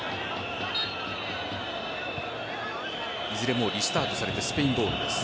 もうリスタートされてスペインボールです。